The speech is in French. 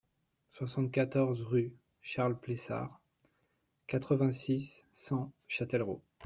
soixante-quatorze rue Charles Plessard, quatre-vingt-six, cent, Châtellerault